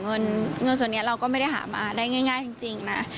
เงินส่วนนี้เราก็ไม่ได้หามาได้ง่ายจริงนะ